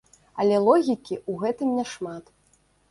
Але логікі ў гэтым няшмат.